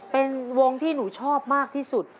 เป็นวงที่หนูชอบมากที่สุด